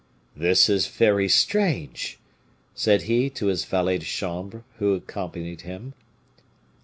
"This is very strange!" said he to his valet de chambre, who accompanied him.